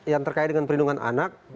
yang terkait dengan perlindungan anak